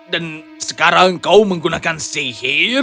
dan sekarang kau menggunakan sihir